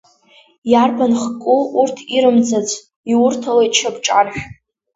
Иарбан хку урҭ ирмҵац, иурҭалоит шьапҿаршә.